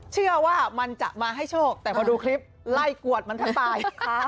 เชื่อว่ามันจะมาให้โชคแต่พอดูคลิปไล่กวดมันแทบตาย